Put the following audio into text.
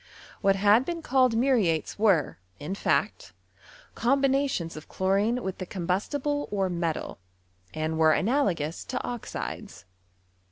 What had been called mnriaies were, in faot, combinations of chlorine mKk the combustible or metal, and were analagons to iMudes.